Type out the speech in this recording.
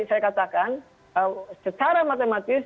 saya katakan secara matematis